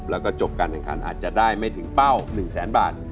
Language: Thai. แล้วก็จบการแข่งขันอาจจะได้ไม่ถึงเป้า๑แสนบาท